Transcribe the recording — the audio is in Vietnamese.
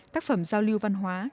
tác phẩm giao lưu văn hóa